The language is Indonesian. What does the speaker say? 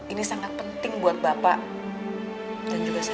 ini sangat penting buat bapak dan juga saya